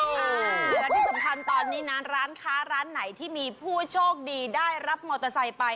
แล้วที่สำคัญตอนนี้นะร้านค้าร้านไหนที่มีผู้โชคดีได้รับมอเตอร์ไซค์ไป